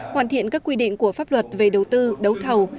hoàn thiện các quy định của pháp luật về đầu tư đấu thầu